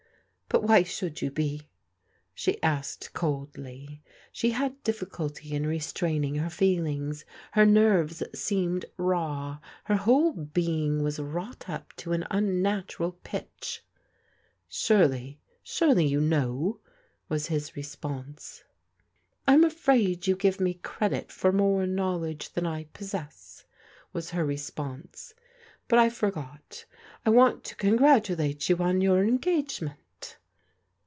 " But why should you be ?" she asked coldly. She had difiiculty in restraining her feelings. Her nerves seemed raw. Her whole being was wrought up to an unnatural pitch. , LOVE WINS OUT 379 " Surely, surely you know," was his response. " I'm afraid you give me credit for more knowledge than I possess," was her resiponse. " But I forgot ; I want to congratulate you on your engagement."